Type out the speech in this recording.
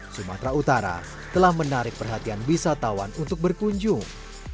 sumatera utara telah menarik perhatian wisatawan untuk berkunjung